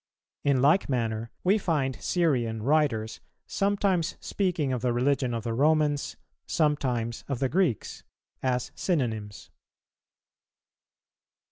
In like manner, we find Syrian writers sometimes speaking of the religion of the Romans, sometimes of the Greeks,[280:5] as synonymes.